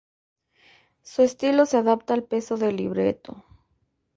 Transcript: Su estilo se adapta al peso del libreto.